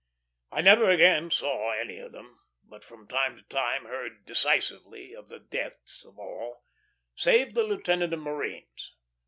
I never again saw any of them; but from time to time heard decisively of the deaths of all, save the lieutenant of marines.